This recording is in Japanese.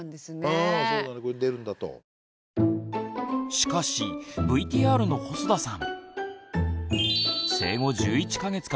しかしＶＴＲの細田さん